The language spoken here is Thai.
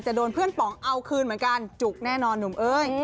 โดนเพื่อนป๋องเอาคืนเหมือนกันจุกแน่นอนหนุ่มเอ้ย